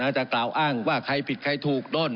จะกล่าวอ้างว่าใครผิดใครถูกโดน